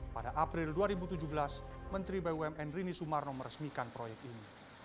pada april dua ribu tujuh belas menteri bumn rini sumarno meresmikan proyek ini